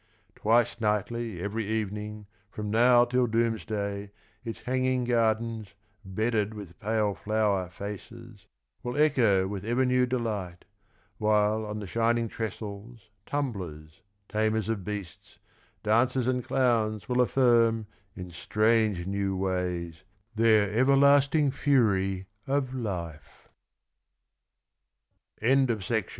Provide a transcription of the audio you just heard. Twice nightly every evening from now till doomsday Its hanging gardens, bedded with pale flower faces, Will echo with ever new delight. While on the shining trestles tumblers, tamers of beasts, Dancers and clowns will affirm in strange new wa